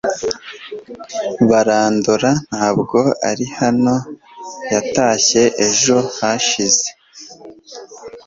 Barandora ntabwo ari hano, yatashye ejo hashize .